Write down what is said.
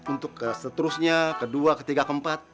untuk seterusnya kedua ketiga keempat